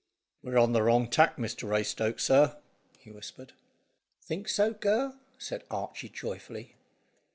"We're on the wrong tack, Mr Raystoke, sir," he whispered. "Think so, Gurr?" said Archy joyfully.